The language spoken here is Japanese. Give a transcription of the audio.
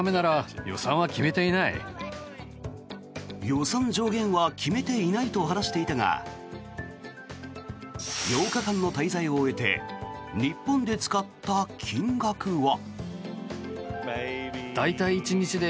予算上限は決めていないと話していたが８日間の滞在を終えて日本で使った金額は。